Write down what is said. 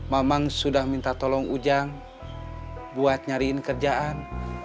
memang sudah minta tolong ujang buat nyariin kerjaan